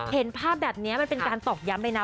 เห็นภาพแบบนี้มันเป็นการตอกย้ำเลยนะ